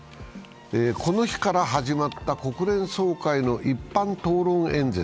この日から始まった国連総会の一般討論演説。